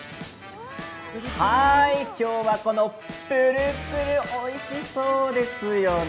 今日はぷるぷるでおいしそうですよね。